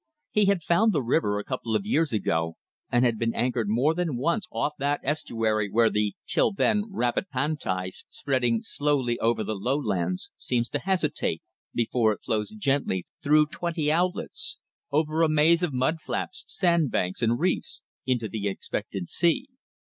He had found the river a couple of years ago, and had been anchored more than once off that estuary where the, till then, rapid Pantai, spreading slowly over the lowlands, seems to hesitate, before it flows gently through twenty outlets; over a maze of mudflats, sandbanks and reefs, into the expectant sea.